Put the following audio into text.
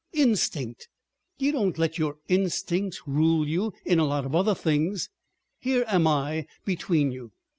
.. Instinct! You don't let your instincts rule you in a lot of other things. Here am I between you.